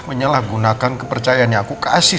menyalahgunakan kepercayaan yang aku kasih